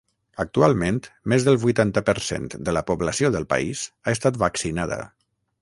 Actualment, més del vuitanta per cent de la població del país ha estat vaccinada.